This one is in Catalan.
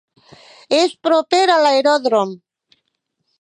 És proper a l'aeròdrom.